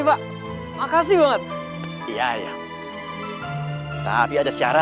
buat tetebitin di majal siswa